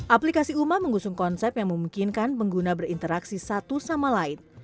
aplikasi uma mengusung konsep yang memungkinkan pengguna berinteraksi satu sama lain